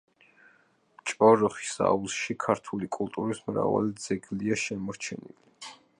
ჭოროხის აუზში ქართული კულტურის მრავალი ძეგლია შემორჩენილი.